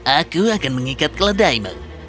aku akan mengikat keledaimu